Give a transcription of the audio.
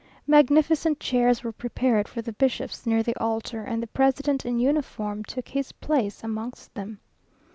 Magnificent chairs were prepared for the bishops near the altar, and the president in uniform took his place amongst them.